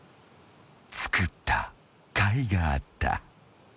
［作ったかいがあった］